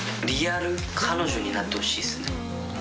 リアル彼女になってほしいですね。